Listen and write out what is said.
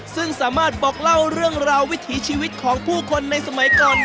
ซึ่งสามารถบอกเล่าเรื่องราววิถีชีวิตของผู้คนในสมัยก่อน